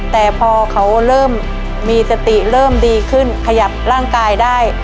แต่พอเขาเริ่มมีสติเริ่มดีขึ้นขยับร่างกายได้